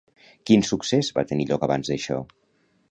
Quin succés va tenir lloc abans d'això?